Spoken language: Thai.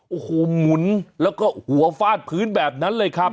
โอ้โหหมุนแล้วก็หัวฟาดพื้นแบบนั้นเลยครับ